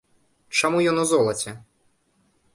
Чаму ён у золаце?